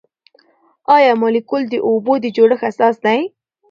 آیا مالیکول د اوبو د جوړښت اساس دی؟